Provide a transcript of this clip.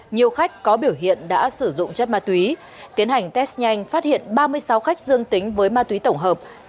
nhiều khách có biểu hiện đã sử dụng chất ma túy tiến hành test nhanh phát hiện ba mươi sáu khách dương tính với ma túy tổng hợp